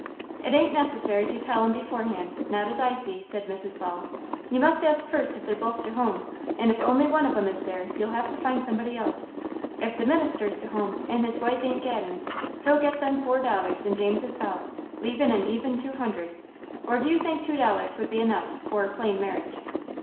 "'T ain't necessary to tell 'em beforehand, not as I see," said Mrs. Ball. "You must ask fust if they're both to home, and if only one of 'em is there, you'll have to find somebody else. If the minister's to home and his wife ain't gaddin', he'll get them four dollars in James's belt, leavin' an even two hundred, or do you think two dollars would be enough for a plain marriage?"